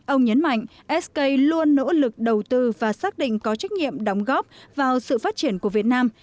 ông nhấn mạnh sk luôn nỗ lực đầu tư và xác định có trách nhiệm đóng góp vào sự phát triển của việt nam